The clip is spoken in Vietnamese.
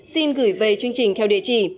xin gửi về chương trình theo địa chỉ